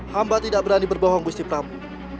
hamba tidak berani berbohong gusipragu